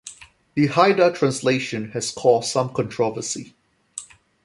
The Haida translation has caused some controversy.